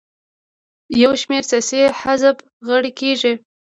یو شمېر د سیاسي حزب غړي کیږي.